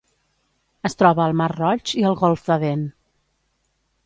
Es troba al mar Roig i el golf d'Aden.